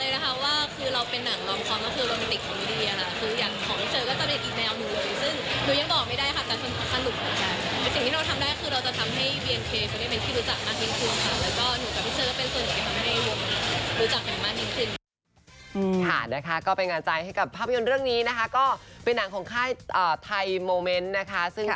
รู้จักกันมากยิ่งขึ้น